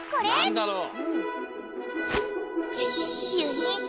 なんだろう？